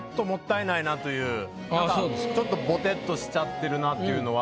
なんかちょっとぼてっとしちゃってるなっていうのは。